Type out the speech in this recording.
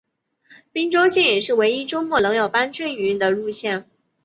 宾州线也是唯一周末仍有班车营运的路线。